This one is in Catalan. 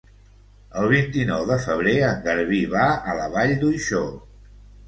El vint-i-nou de febrer en Garbí va a la Vall d'Uixó.